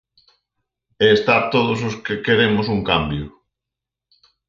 E está todos os que queremos un cambio.